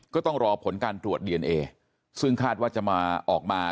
ก็ต้องรอผลการตรวจดีเอนเอซึ่งคาดว่าจะมาออกมา